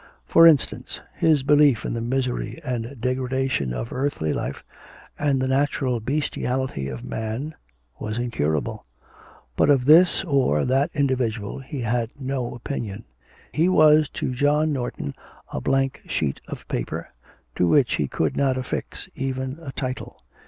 For instance, his belief in the misery and degradation of earthly life, and the natural bestiality of man, was incurable; but of this or that individual he had no opinion; he was to John Norton a blank sheet of paper, to which he could not affix even a title.